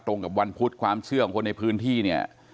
กับวันพุธความเชื่อของคนในพื้นที่เนี่ย